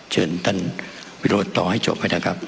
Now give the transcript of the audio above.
เชิญท่านวิโรธต่อให้จบให้นะครับ